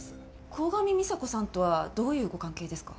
鴻上美沙子さんとはどういうご関係ですか？